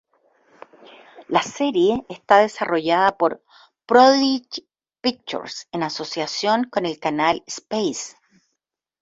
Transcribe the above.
La serie está desarrollada por Prodigy Pictures en asociación con el canal Space.